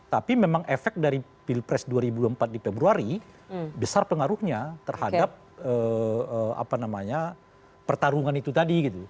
tapi memang efek dari pilpres dua ribu dua puluh empat di februari besar pengaruhnya terhadap pertarungan itu tadi gitu